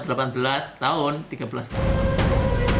tidak hanya soal jumlah anak yang terpapar